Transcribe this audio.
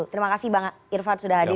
terima kasih bang irfan sudah hadir